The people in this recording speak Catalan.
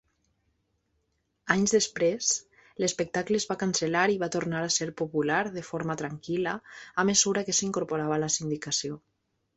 Anys després l'espectacle es va cancel·lar, i va tornar a ser popular de forma tranquil·la a mesura que s'incorporava a la sindicació.